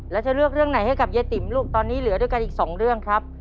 แล้วจะเลือกเรื่องไหนให้กับยายติ๋มลูกตอนนี้เหลือด้วยกันอีกสองเรื่องครับ